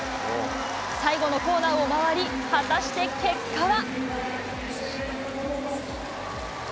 最後のコーナーを回り、果たして結果は？